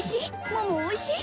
桃おいしい？